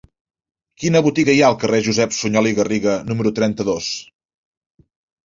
Quina botiga hi ha al carrer de Josep Sunyol i Garriga número trenta-dos?